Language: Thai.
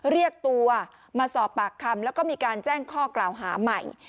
เรียกตัวมาสอบปากคำแล้วก็มีการแจ้งข้อกล่าวหาใหม่